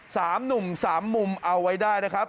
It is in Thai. สามหนุ่มสามมุมเอาไว้ได้นะครับ